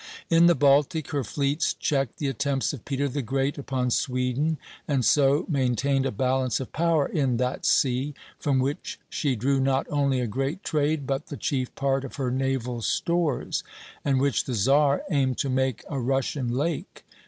In the Baltic, her fleets checked the attempts of Peter the Great upon Sweden, and so maintained a balance of power in that sea, from which she drew not only a great trade but the chief part of her naval stores, and which the Czar aimed to make a Russian lake.